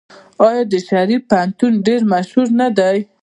آیا د شریف پوهنتون ډیر مشهور نه دی؟